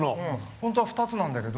本当は２つなんだけど。